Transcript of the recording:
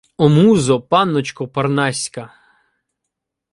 О музо, панночко парнаська!